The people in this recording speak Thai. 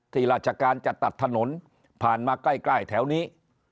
ราชการจะตัดถนนผ่านมาใกล้แถวนี้